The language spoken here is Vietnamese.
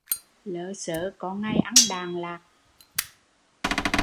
Lớ xớ có ngày ăn đạn lạc